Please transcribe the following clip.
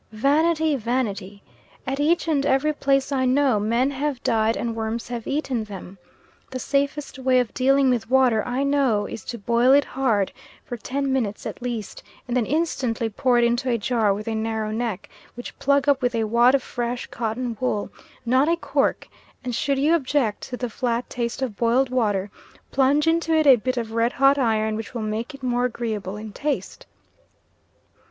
Vanity, vanity! At each and every place I know, "men have died and worms have eaten them." The safest way of dealing with water I know is to boil it hard for ten minutes at least, and then instantly pour it into a jar with a narrow neck, which plug up with a wad of fresh cotton wool not a cork; and should you object to the flat taste of boiled water, plunge into it a bit of red hot iron, which will make it more agreeable in taste.